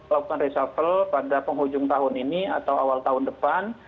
lakukan reshuffle pada penghujung tahun ini atau awal tahun depan